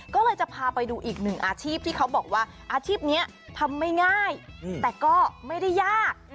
ก็เลยจะพาไปดูอีกหนึ่งอาชีพที่เขาบอกว่าอาชีพนี้ทำไม่ง่ายแต่ก็ไม่ได้ยาก